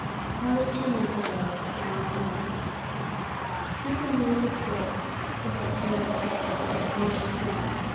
That was two months ago. Now I am old. Keep the news of the gold, if it can be kept, as long as you can.